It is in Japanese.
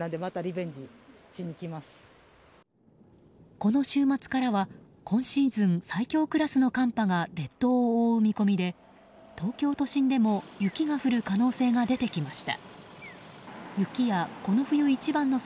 この週末からは今シーズン最強クラスの寒波が列島を覆う見込みで東京都心でも雪が降る可能性が出てきました。